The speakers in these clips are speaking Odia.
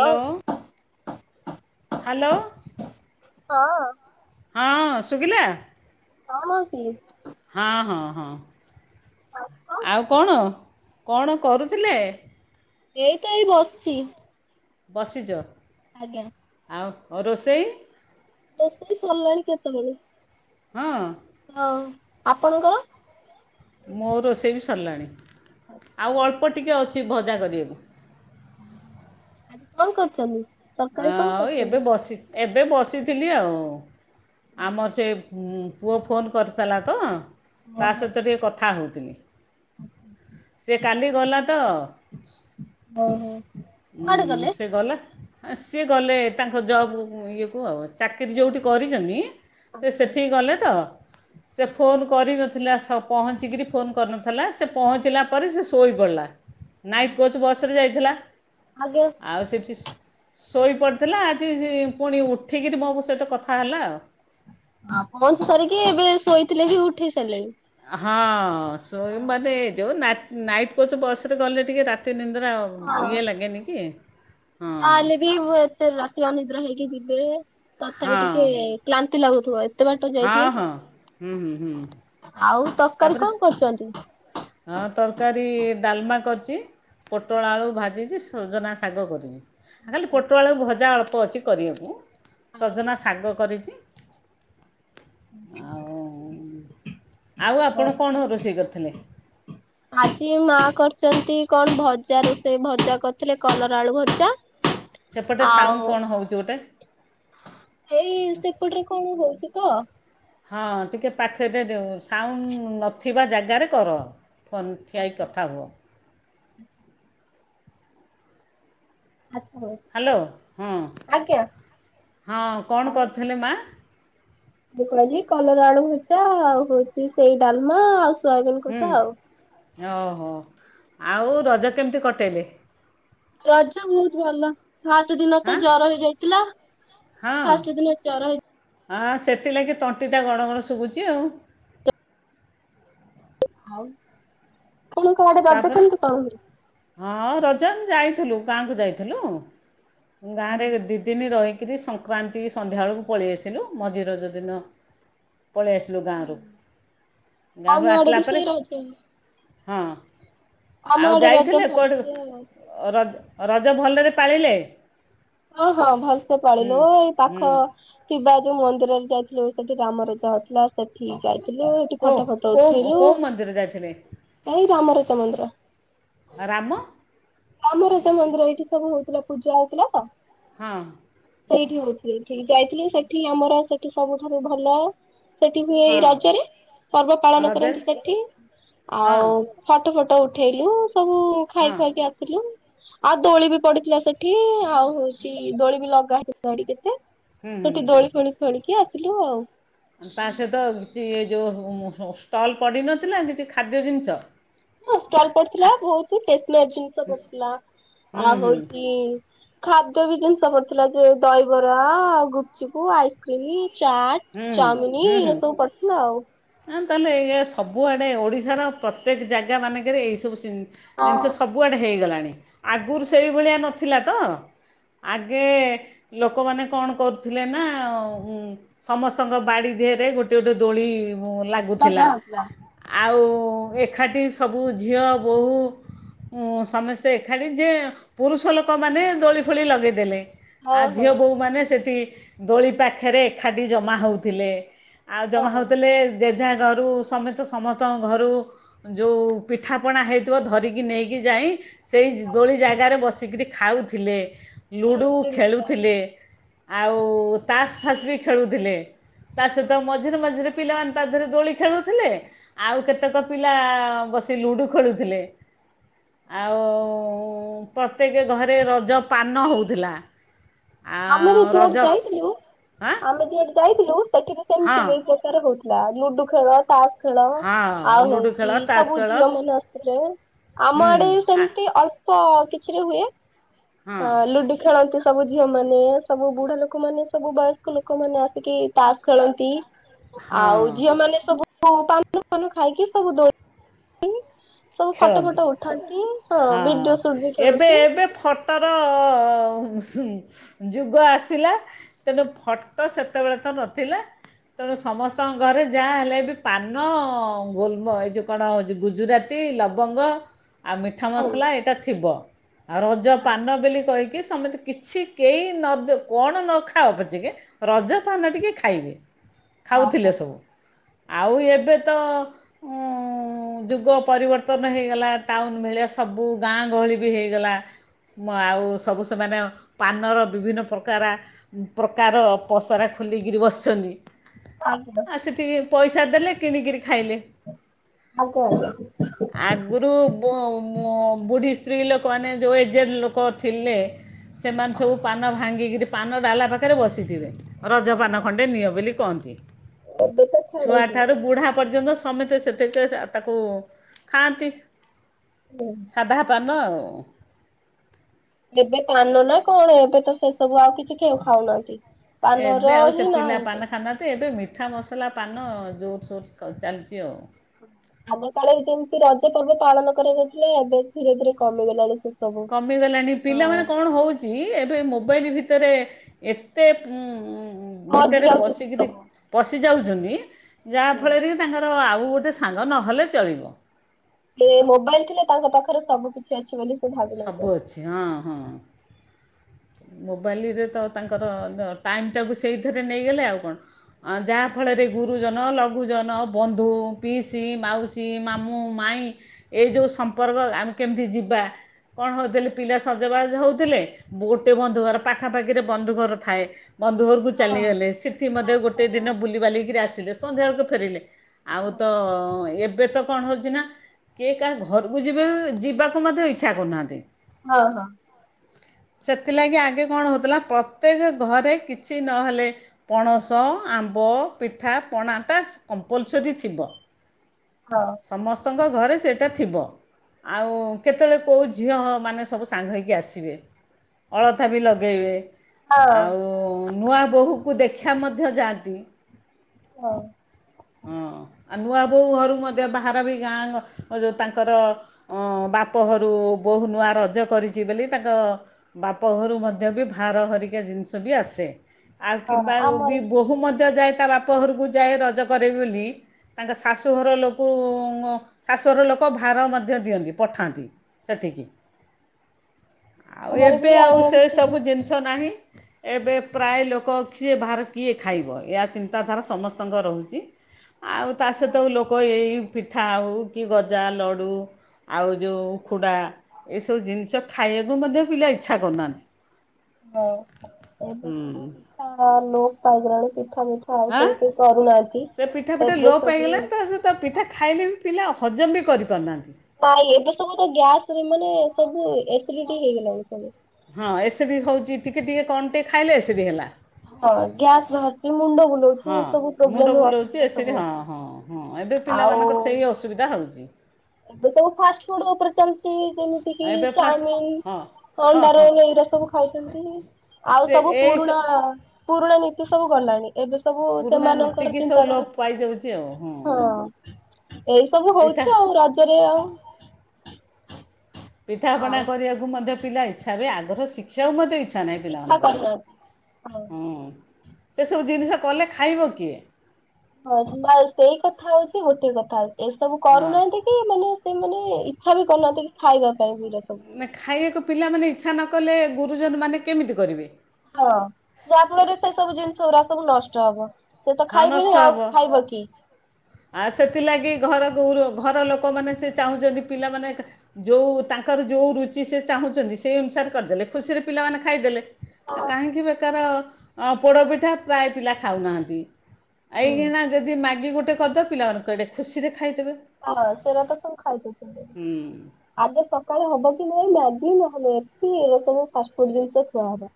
ଅ ହାଲୋ। ହଁ। ହଁ ଶୁଭିଲା। ହଁ ମାଉସୀ। ହଁ, ହଁ, ହଁ ଆଉ କଣ କଣ କରୁଥିଲେ? ଏଇ ତ ଏଇ ବସିଛି। ବସିଚ? ଆଜ୍ଞା। ଆଉ ରୋଷେଇ? ରୋଷେଇ ସରିଲାଣି କେତେବେଳୁ। ହଁ। ହଁ, ଆପଣଙ୍କର? ମୋ ରୋଷେଇ ବି ସରିଲାଣି ଆଉ ଅଳ୍ପ ଟିକେ ଅଛି ଭଜା କରିବାକୁ। [inaudible] ଆଜି କଣ କରଛନ୍ତି? ଆଉ ଏବେ ବସି ଏବେ ବସିଥିଲି ଆଉ, ଆମର ସେ ଉଁ, ପୁଅ ଫୋନ୍ କରିଥିଲା ତ ତା ଓହୋ ସହିତ ଟିକେ କଥା ହଉଥିଲି। ସେ କାଲି ଗଲା ତ। ଓ ହୋ। ଉଁ, ସେ ଗଲା ହଁ ସିଏ ଗଲେ ତାଙ୍କ ଜବ୍ ଇଏ କୁ ଆଉ। ଚାକିରି ଯୋଉଠି କରିଚନି ଆଚ୍ଛା ସେ ସେଠିକି ଗଲେ ତ। ସେ ଫୋନ୍ କରିନଥିଲା ସ-ପହଞ୍ଚିକିରି ଫୋନ୍ କରିନଥିଲା ସେ ପହଞ୍ଚିଲା ପରେ ସେ ଶୋଇପଡ଼ିଲା। [unintelligible] ନାଇଟ୍ କୋଚ୍ ବସ୍ ରେ ଯାଇଥିଲା। ଆଗେ ଆଉ ସେଠିଶ୍ ଶୋଇପଡ଼ିଥିଲା ଆଜି ସି- ପୁଣି ଉଠିକିରି ମୋ ସହିତ କଥା ହେଲା ଆଉ। ହଁ ପହଁଞ୍ଚି ସାରିକି ଏବେ ଶୋଇଥିଲେ ବି ଉଠେଇ ସାରିଲେଣି। ହଁ ଶୋଇ ମାନେ ଯୋଉ ନାଟ୍ ନାଇଟ୍ କୋଚ୍ ବସ୍ ରେ ଗଲେ ଟିକେ ରାତି ନିନ୍ଦ୍ରା ହଁ ଅ ଇଏ ଲାଗେନି କି ହଁ କି ବୋ- ଏତେ ରାତି ଅନିଦ୍ରା ହେଇକି ଯିବେ ତଥାପି ଟିକିଏ ହଁ କ୍ଳାନ୍ତି ଲାଗୁଥିବ ଏ ହଁ, ହଁ, ହୁଁ, ହୁଁ, ହୁଁ। ଆଉ ତକାରୀ ତାପରେ କଣ କରଚନ୍ତି? ହଁ ତରକାରୀ ଡାଲ୍ମା କରିଚି। ପୋଟଳ ଆଳୁ ଭାଜିଚି ସଜନା ଶାଗ କରିଚି। ଆଁ- ଖାଲି ଆଚ୍ଛା ଆଚ୍ଛା। ପୋଟଳ ଭଜା ଅଳ୍ପ ଅଛି କରିଆକୁ ସଜନା ଶାଗ କରିଚି। ଆଉ -ଆଉ ଆପଣ କଣ ରୋଷେଇ କରିଥିଲେ? ହୁଁ ଆଜି ମା କରିଚନ୍ତି କ ଣ ଭଜା ରୋଷେଇ ଭଜା କରିଥିଲେ କଲରା ଆଳୁ ଭଜା ସେପଟେ ସାଉଣ୍ଡ୍ ଆଉ କଣ ହଉଚି ଗୋଟେ? ଏଇ ସେପଟ୍ ରେ କଣ ହଉଚି ତ। ହଁ ଟିକେ ପାଖେରେ ଦେଓ ସାଉଣ୍ଡ୍ ନଥିବା ଜାଗାରେ କର। ଫୋନ୍ ଠିଆ ହେଇ ଆଚ୍ଛା। କଥା ହୁଅ। [inaudible] ହାଲୋ- ହଁ -ହଁ କଣ କରିଥିଲେ ମା? ମୁଁ କଲି କଲରା ଆଳୁ ଭଜା ଆଉ ହଉଚି ସେଇ ଡାଲ୍ମା ଆଉ ସୋୟାବିିନ୍ କଷା ଆଉ। ଓ ହୋ ଆଉ ରଜ କେମିତି କଟେଇଲେ? ରଜ ବହୁତ୍ ଭଲ। ଫାଷ୍ଟେ ଦିନ ତ ହାଁ ଜର ହେଇଯାଇଥିଲା ହଁ ଫାଷ୍ଟେ ଦିନ ଜର ହେଇ ହଁ ସେଥିଲାଗି ତଣ୍ଟିଟା ଗଣ ଗଣ ଶୁବୁଚି ଆଉ। ଆପଣଙ୍କ ଆଡେ ରଜ ତା'ପରେ କେମିତି ପାଳନ ହୁଏ? ହଁ ରଜ ନ୍ ଯାଇଥିଲୁ ଗାଁକୁ ଯାଇଥିଲୁ ଗାଁ ରେ ଦି ଦିନି ରହିକିରି ସଂକ୍ରାନ୍ତି ସନ୍ଧ୍ୟାବେଳକୁ ପଳେଇ ଆସିଲୁ ମଝି ରଜ ଦିନ ପଳେଇ ଆସିଲୁ ଗାଁରୁ- ଆମ ଗାଁରୁ ଆଡେ ଆସିଲା ବି ସେଇ ପରେ ରଜ ହଁ- ଆମ ଆଉ ଆଡେ ରଜ ଯାଇଥିଲେ କୁଆଡୁ ଭଲସେ ଅ-ର- ରଜ ଭଲରେ ପାଳିଲେ? ହଁ- ହଁ ଭଲ୍ ସେ ହୁଁ ପାଳିଲୁ ଏଇ ହୁଁ ପାଖ କିବା ଯଉ ମନ୍ଦିରରେ ଯାଇଥିଲୁ ସେଠି ରାମ [unintelligible] ହଉଥିଲା ସେଠି ଯାଇଥିଲୁ। ସେଠି କେଉଁ ଫଟ ଫଟ କେଉଁ ଉଠେଇଲୁ କେଉଁ ମନ୍ଦିର ଯାଇଥିଲେ ଏଇଟା ଆମର [unintelligible] ମନ୍ଦିର। ରାମ। ଆମ [unintelligible] ମନ୍ଦିର ଏଇଠି ସବୁ ହଉଥିଲା ପୂଜା ହଉଥିଲା ତ। ହଁ। ସେଇଠି ହଉଥିଲି ସେଠିକି ଯାଇଥିଲି ସେଠି ଆମର ସେଠି ସବୁଠାରୁ ଭଲ ସେଠି ହୁଏ ଏଇ ହଁ ରଜରେ ପର୍ବ ପାଳନ ରଜରେ କରନ୍ତି ସେଠି ହଁ ଆଉ ଫଟ ଫଟ ଉଠେଇଲୁ ସବୁ ଖାଇ ହଁ ଖୁଆଇକି ଆ ଥିଲୁ ଆଉ ଦୋଳି ବି ପଡିଥିଲା ସେଠି ଆଉ ହଉଚି ଦୋଳି ବି ଲଗା ହେଇଥିଲା ସେଠି କେତେ। ହୁଁ ସେଠି ହୁଁ ଦୋଳି ଫୋଳି ଖେଳିକି ଆସିଲୁ ଆଉ। ତା ସହିତ [unintelligible] ଏ ଯଉ ଷ୍ଟଲ୍ ପଡିନଥିଲା କିଛି ଖାଦ୍ୟ ଜିନିଷ ହଁ ଷ୍ଟଲ୍ ପଡ଼ିଥିଲା ଖା ବହୁତ୍ ଟେସ୍ନାରୀ ଜିନିଷ ପଡିଥିଲା ହୁଁ ଆଉ ହୁଁ ହଉଚି ଖାଦ୍ୟ ବି ଜିନିଷ ପଡିଥିଲା ଯେ ଦହିବରା ଗୁପଚୁପ୍, ଆଇସ୍କ୍ରିମ୍, ଚାଟ୍ ହୁଁ ଚାଓମିନି ଏ ସବୁ ପଡ଼ିଥିଲା ଆଉ। ଆଁ- ତାହେଲେ ଏଇଆ ସବୁଆଡ଼େ ଓଡ଼ିଶାର ପ୍ରତ୍ୟକ ଜାଗା ମାନେଙ୍କେରେ ଏଇସବୁ ସିନ୍ ହଁ ଜିନିଷ ସବୁଆଡ଼େ ହେଇଗଲାଣି ଆଗୁରୁ ସେଇଭଳିଆ ନଥିଲା ତ। ଆଗେ ଲୋକମାନେ କଣ କରୁଥିଲେ ନା ଉଁ - ସମସ୍ତଙ୍କ ବାଡ଼ି ଦିହେରେ ଗୋଟିଏ ଗୋଟିଏ ଦୋଳି ଲାଗୁଥିଲା। ଲଗା ହଉଥିଲା। ଆଉ ଏଖାଠି ସବୁ ଝିଅ ବୋହୂ ଉଁ- ସମସ୍ତେ ଏଖାଠି ଯେ ପୁରୁଷ ଲୋକମାନେ ଦୋଳି ଫୋଳି ଲଗେଇଦେଲେ। ହଁ ଆ- ହଁ ଝିଅ ବୋହୂମାନେ ସେଠି ଦୋଳିପାଖେରେ ଏଖାଠି ଜମା ହଉଥିଲେ। ଆଉ ଜମା ହଁ ହଉଥିଲେ ଜେଝା ଘରୁ ସମେତ ସମସ୍ତଙ୍କ ଘରୁ ଯୋଉ ପିଠାପଣା ହେଇଥିବ ଧରିକି ନେଇକି ଯାଇ ସେଇ ଦୋଳି ଜାଗାରେ ବସିକିରି ଖାଉଥିଲେ। ଲୁଡୁ ଖେଳୁଥିଲେ ଆଉ ତାସ୍ ଫାସବି ଖେଳୁଥିଲେ। ତାସହିତ ମଝିରେ ମଝିରେ ପିଲାମାନେ ତାଦେହରେ ଦୋଳି ଖେଳୁଥିଲେ। ଆଉ କେତେକ ପିଲା ବସି ଲୁଡୁ ଖେଳୁଥିଲେ। ଆଉ ଓ ଓ ଓ ଓ ପ୍ରତ୍ୟେକ ଘରେ ରଜ ପାନ ହେଉଥିଲା। ଆମେବି ଆଉ ଯୁଆଡେ ରଜ ଯାଇଥିଲୁ ଆଁ ଆମେ ଯୁଆଡ଼େ ଯାଇଥିଲୁ ସେଠିବି ହଁ ସେମିତି ଏଇ ପ୍ରକାର ହଉଥିଲା ଲୁଡୁ ଖେଳ ତାସ ଖେଳ ଆଉ ହଁ ଲୁଡ଼ୁ ହଉଛି ଖେଳ ତାସ୍ ସବୁ ଖେଳ ଝିଅ ମାନେ ଆସୁଥିଲେ ଆମ ହୁଁ ଆଡ଼େ ଆ- ସେମିତି ଅଳ୍ପ କିଛିରେ ହୁଏ ହଁ ଅ ଲୁଡୁ ଖେଳନ୍ତି। ସବୁ ଝିଅମାନେ ସବୁ ବୁଢ଼ା ଲୋକମାନେ ସବୁ ବୟସ୍କ ଲୋକ ମାନେ ଆସିକି ତାସ ଖେଳନ୍ତି। ହଁ ଆଉ ଝିଅ ମାନେ ସବୁ ପାନ ଫାନ ଖାଇକି ସବୁ ଦୋଳିଖେଳନ୍ତି। ସବୁ ଫଟ ଖେଳନ୍ତି ଫଟ ଉଠାନ୍ତି ହଁ ଭିଡିଓ ସୁଟୁ ବି କରନ୍ତି। ଫଟର ହଁ ସୁନ ଯୁଗ ଆସିଲା ତେବେ ଫଟୋ ସେତେବେଳେ ତ ନଥିଲା। ତେଣୁ ସମସ୍ତଙ୍କ ଘରେ ଯାହା ହେଲେବି ପାନ ଗୋଲମ ଏଇ ଯେଉ କଣ ଗୁଜୁରା ତି ଲବଙ୍ଗ ଆଉ ମିଠା ମସଲା ଏଇଟା ଥିବ। ଆଉ ରଜ ପାନ ବୋଲି କହିକି ସମତେ କିଛି କେହି ନ କଣ ନଖାଅ ପଛକେ ରଜପାନ ଟିକେ ଖାଇବେ। ଖାଉଥିଲେ ସବୁ ଆଉ ଏବେ ଉ ତ ଯୁଗ ପରିବର୍ତ୍ତନ ହେଇଗଲା ଟାଉନ୍ ଭଳିଆ ସବୁ ଗାଁ ଗହଳିବି ହେଇଗଲା। ଆଉ ସବୁ ସେମାନେ ପାନର ବିଭିନ୍ନ ପ୍ରକାରା ପ୍ରକାର ପସରା ଖୋଲିକିରି ବସିଛନ୍ତି। [unintelligible] ଆଉ ସେଠିକି ପଇସା ଦେଲେ କିଣିକିରି ଖାଇଲେ। ଆଉ କଣ? ଆଗରୁ ବୋ ମୋ ବୁଢ଼ୀ ସ୍ତ୍ରୀ ଲୋକମାନେ ଯେଉଁ ଏଜେଡ ଲୋକ ଥିଲେ। ସେମାନେ ସବୁ ପାନ ଭାଙ୍ଗିକିରି ପାନ ଡାଲା ପାଖରେ ବସିଥିବେ। ରଜପାନ ଖଣ୍ଡେ ନିଅ ବୋଲି କହନ୍ତି। ଏବେ ତ ଛୁଆଠାରୁ ଛାଡୁଛି ବୁଢ଼ା ପର୍ଯ୍ୟନ୍ତ ସମେତେ ସେଥିକେ ତାକୁ ଖାଆନ୍ତି ହୁଁ। ସାଧା ପାନ ଆଉ ଏବେ ପାନ ନା କଣ ଏବେ ତ ସେସବୁ ଆଉ କିଛି କେହି ଖାଉନାହାନ୍ତି। ଏବେ ପାନର ଆଉ ସେ ହିଁ ନାଁ ପିଲା ହଉଛି। ପାନ ଖାଉନାହାନ୍ତି ଏବେ ମି ମିଠା ମସଲା ପାନ ଜୋରସୋର ସେ ସବୁ ଚାଲିଛି ଆଉ। ଆଗକାଳରେ ଯେମିତି ରଜ ପର୍ବ ପାଳନ କରାଯାଉଥିଲା ଏବେ ଧୀରେ ଧୀରେ କମିଗଲାଣି ସେ। ସବୁ। କମିଗଲାଣି ପିଲାମାନେ କଣ ହଉ ଛି ଏବେ ମୋବାଇଲ ଭିତରେ ଏତେ ଉଁ ଉଁ ଉଁ ହଜି ଭିତରେ ଯାଉଛନ୍ତି ପଶିକିରି ସବୁ। ପଶିଯାଉଛନ୍ତି ଯାହାଫଳରେ ତାଙ୍କର ଆଉ ଗୋଟେ ସାଙ୍ଗ ନହେଲେ ଚଳିବ। ଏ ମୋବାଇଲ ଥିଲେ ତାଙ୍କ ପାଖରେ ସବୁ କିିଛି ଅଛି ବୋଲି ସେ ଭାବି ସବୁ ନଉଛନ୍ତି। ଅଛି ହଁ, ହଁ ମୋବାଇଲରେ ତ ତାଙ୍କର ଟାଇମଟାକୁ ସେଇଥିରେ ନେଇଗଲେ ଆଉ କଣ? ଆ ଯାହା ଫଳରେ ଗୁରୁଜନ, ଲଘୁଜନ, ବନ୍ଧୁ, ପିଇସି, ମାଉସୀ, ମାମୁଁ, ମାଇଁ। ଏଇ ଯୋଉଁ ସମ୍ପର୍କ ଆମେ କେମିତି ଯିବା କ'ଣ ହଉଥିଲେ ପିଲା ସଜବାଜ ହଉଥିଲେ। ଗୋଟେ ବନ୍ଧୁ ଘର ପାଖାପାଖିରେ ବନ୍ଧୁ ଘର ଥାଏ ବନ୍ଧୁ ଘରୁକୁ। ବୋଉ ହଁ ଚାଲିଗଲେ ସେଠି ମଧ୍ୟ ଗୋଟେ ଦିନ ବୁଲିିବାଲିକିରି ଆସିଲେ ସନ୍ଧ୍ୟାବେଳକୁ ଫେରିଲେ। ଆଉ ତ ଏବେ ତ। କ'ଣ ହଉଛି ନା କିଏ କାହା ଘରକୁ ଯିବେ ଯିବାକୁ ମଧ୍ୟ ଇଚ୍ଛା କରୁନାହାନ୍ତି। ହଁ, ହଁ। ସେଥିଲାଗି ଆଗେ କ'ଣ ହଉଥିଲା ପ୍ରତ୍ୟେକ ଘରେ କିଛି ନହେଲେ। ପଣସ, ଆମ୍ବ, ପିଠା ପଣାଟା କମ୍ପଲସରି ଥିବ। ହଁ। ସମସ୍ତଙ୍କ ଘରେ ସେଇଟା ଥିବ। ଆଉ କେତେବେଳେ କେଉଁ ଝିଅ ମାନେ ସବୁ ସାଙ୍ଗ ହେଇକି ଆସିବେ। ଅଳତା ବି ଲଗେଇବେ ହଁ ଆଉ ନୂଆ ବୋହୂକୁ ଦେଖିବା ମଧ୍ୟ ଯାଆନ୍ତି। ହଉ। ହଁ ଆ ନୂଆ ବୋହୁ ଘରୁ ମଧ୍ୟ ବାହାର ବି ଗାଁ ଯୋଉଁ ତାଙ୍କର। ଉଁ ବାପ ଘରୁ ବୋହୁ ନୂଆ ରଜ କରିଛି ବୋଲି ତାଙ୍କ। ବାପଘରୁ ମଧ୍ୟ ବି ଭାର ହେରିକା ଜିନିଷ ବି ଆସେ। ଆଉ ହଁ କିମ୍ବା ଆମର ବି ବୋହୂ ମଧ୍ୟ ଯାଏ ତା ବାପ ଘରୁକୁ ଯାଏ ରଜ କରେ ବୋଲି। ତାଙ୍କ ଶାଶୁଘର ଲୋକ ଶାଶୁଘର ଲୋକ ଭାର ମଧ୍ୟ ଦିଅନ୍ତି ପଠାନ୍ତି। ସେଠିକି ଆଉ ଆମର ବି ଏବେ ଆଉ ଇଆଡେ ସେ ଏମିତି ସବୁ ଜିନିଷ ନାହିଁ। ଏବେ ପ୍ରାୟ ଲୋକ କିଏ ଭାର କିଏ ଖାଇବ ଏହା ଚିନ୍ତାଧାରା ସମସ୍ତଙ୍କ ରହୁଛି। ଆଉ ତା ହଁ। ସହିତ ଲୋକ ଏଇ ପିଠା ହେଉ କି ଗଜା, ଲଡ଼ୁ। ଆଉ ଯୋଉଁ ଉଖୁଡ଼ା ଏସବୁ ଜିନିଷ ଖାଇବାକୁ ମଧ୍ୟ ପିଲା ଇଚ୍ଛା କରୁନାହାଁନ୍ତି। ହଁ ଏବେ ସବୁ ପିଠା ଲୋପ ପାଇଗଲାଣି ପିଠା, ମିଠି। ଆଉ ଆଁ ସବୁ କେହି କରୁନାହାନ୍ତି ଏବେ ସବୁ। ତ ପିଠା ଖାଇଲେ ବି ପିଲା ହଜମ ବି କରିପାରୁନାହାନ୍ତି। ନାଇଁ ଏବେ ସବୁ ତ ଗ୍ୟାସ ରେ ମାନେ ସବୁ ଏସିଡିଟି ହେଇଗଲାଣି ସବୁ। ହଁ ଏସିଡ଼ି ବି ହଉଛି ଟିକେ, ଟିକେ କ'ଣ ଟେ ଖାଇଲେ ଏସିଡ଼ି ବି ହେଲା। ହଁ ଗ୍ୟାସ ବାହାରିଛି ମୁଣ୍ଡ ବୁଲଉଛି ହଁ ଏ ସବୁ ମୁଣ୍ଡ ପ୍ରୋବ୍ଲେମ ବୁଲଉଛି ଅସୁବିଧା ଏସିଡ଼ି ସବୁ ହଁ ଅଛି। ହଁ ହଁ ଏବେ ଆଉ ପିଲାମାନଙ୍କର ସେଇ ଅସୁବିଧା ହଉଛି। ଏବେ ସବୁ ଫାଷ୍ଟ ଫୁଡ ଉପରେ ଚାଲିଛି କେମିତି। ଟିକି ଏବେ ଫାଷ୍ଟ ଚାଉମିିନି, ହଁ ହଁ ଅଣ୍ଡା ହଁ ରୋଲ ଏଇଗୁରା ସବୁ ଖାଉଛନ୍ତି। ଆଉ ସେ ସବୁ ଏଇ ପୁରୁଣା, ପୁରୁଣା ନୀତି ସବୁ ଗଲାଣି ଏବେ ସବୁ ପୁରୁଣା ସେମାନଙ୍କର ନୀତିକି ସବୁ ଲୋପ ଚିନ୍ତାଧାରା। ପାଇଯାଉଛି ଆଉ ହଁ। ଏଇ ସବୁ ପିଠା ହଉଛି ଆଉ ରଜରେ ଆଉ। ପିଠାପଣା ଆଉ କରିବାକୁ ମଧ୍ୟ ପିଲା ଇଚ୍ଛା ବି ଆଗ୍ରହ ଶିଖି। ସେଉ ମଧ୍ୟ ଇଚ୍ଛା ନାହିଁ ଇଚ୍ଛା ପିଲାମାନଙ୍କର କରୁନାହାନ୍ତି। ହଁ। ହୁଁ। ସେସବୁ ଜିନିଷ କଲେ ଖାଇବ କିଏ। ହଁ ସେଇ କଥା ହଉଛି ଗୋଟେ କଥା ହଉଛି ଏସବୁ ହଁ କରୁନାହାନ୍ତି। ସେ ମାନେ, ସେ ମାନେ ଇଚ୍ଛା ବି କରୁନାହାନ୍ତି କି ଖାଇବା ପାଇଁ ବି ପିଲା ସବୁ। ନା ଖାଇବାକୁ ପିଲାମାନେ ଇଚ୍ଛା ନ କଲେ ଗୁରୁଜନ ମାନେ କେମିତି କରିବେ। ହଁ ଯାହା ଫଳରେ ସେ ସବୁ ଜିନିଷ ଗୁଡା ସବୁ ନଷ୍ଟ ହବ। ସେ ତ ହଁ ଖାଇବେନି ନଷ୍ଟ ଆଉ ହବ। ଖାଇବ କିଏ? ଆ ସେଥିଲାଗି ଘର ଗୋର ଘର ଲୋକମାନେ ସେ ଚାହୁଁଛନ୍ତି ପିଲାମାନେ। ଯୋଉଁ ତାଙ୍କର ଯୋଉଁ ରୁଚି ସେ ଚାହୁଁଛନ୍ତି ସେଇ ଅନୁସାରେ କରିଦେଲେ ଖୁସିରେ ପିଲାମାନେ ଖାଇଦେଲେ। ଆ କାହିଁକି ବେକାର ପୋଡ଼ପିଠା ପ୍ରାୟ ପିଲା ଖାଉନାହାନ୍ତି। ହୁଁ। ଏଇନା ଯଦି ମ୍ୟାଗି ଗୋଟେ କରିଦେଅ ପିଲାମାନଙ୍କୁ ଏଇଟେ ଖୁସିରେ ଖାଇଦେବେ। ହଁ ସେରାତ ତମ ଖାଇଦୋଉ ଥିବେ। ହୁଁ ଆଗ ସକାଳେ ହବ କି ନହଁ ମ୍ୟାଗି ନହେଲେ ଏପି ଏ ସବୁ ଫାଷ୍ଟଫୁଡ ଜିନିଷ ଛୁଆ ଦା।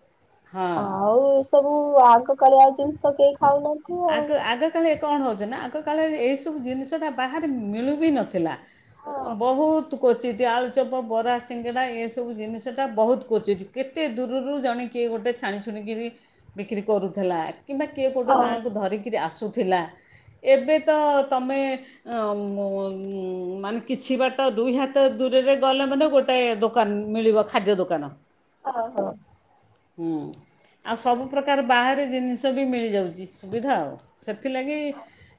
ହଁ ଆଉ ଏସବୁ ଆଗକାଳିଆ ଜିନିଷ କେହି ଖାଉନାହାନ୍ତି। ଆଗ ଆଗ କାଳେ କଣ ହେଉଛି ନା ଆଗ କାଳରେ ଏଇସବୁ ଜିନିଷ ଟା ବାହାରେ ମିଳୁ ବି ନଥିଲା। ଆଉ। ବହୁତ କୋଚିତ ଆଳୁଚପ ବରା ସିଙ୍ଗଡ଼ା ଏସବୁ ଜିନିଷଟା ବହୁତ କୋଚିଛି କେ କେତେ ଦୂରରୁ ଜଣେ କିଏ ଗୋଟେ ଛାଣି ଛୁଣିକରି ବିକ୍ରି କରୁଥିଲା କିମ୍ବା କିଏ କୋଉଟେ ଗାଁ ହଁ। ଧରିକିରି ଆସୁଥିଲା ଏବେ ତ ତମେ ଅଁ ଉଁ ଉଁ ମାନେ କିଛି ବାଟ ଦୁଇ ହାତ ଦୂରରେ ଗଲେ ମାନେ ଗୋ ଟେ ଦୋକାନ ମିଳିବ ଖାଦ୍ୟ ଦୋକାନ। ଓହୋ। ହୁଁ। ଆଉ ସବୁ ଆଚ୍ଛା ପ୍ର୍ରକାର ବାହାରେ ଜିନିଷ ବି ମିଳିଯାଉଛି ସୁବିଧା ଆଉ ସେଥିଲାଗି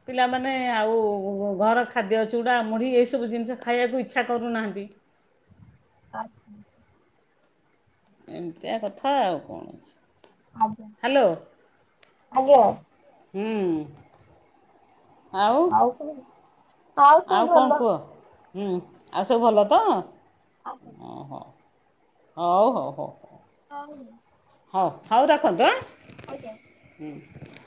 ପିଲାମାନେ ଆଉ ଘର ଖାଦ୍ୟ ଚୁଡ଼ା ମୁଢ଼ି ଏସବୁ ଜିନିଷ ଖାଇବାକୁ ଇଚ୍ଛା କରୁନାହାଁନ୍ତି। ଆଚ୍ଛା। ଏମିତିଆ କଥା ଆଉ କଣ ଆଜ୍ଞା ହ୍ୟାଲୋ। ଆଜ୍ଞା ହୁ, ଆଉ? ଆଉ ତ ଆଉ କଣ କୁହ ହୁଁ ଆଉ ସବୁ ଭଲ ତ ଆଜ୍ଞା ଓହୋ। ହଉ ହଉ ହଉ ହଉ। [inaudible] ହଉ ହଉ ରଖନ୍ତୁ ଆଁ। ଆଜ୍ଞା। ହୁଁ [unintelligible]